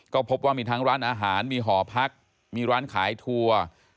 ก็พบว่ามีทั้งร้านอาหารมีหอพักมีร้านขายทัวร์